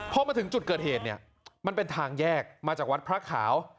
พอมาถึงจุดเกิดเหตุเนี่ยมันเป็นทางแยกมาจากวัดพระขาว